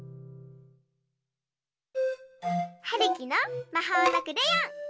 はるきのまほうのクレヨン！